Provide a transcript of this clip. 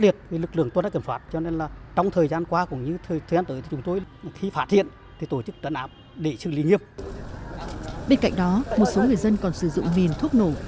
bên cạnh đó một số người dân còn sử dụng mìn thuốc nổ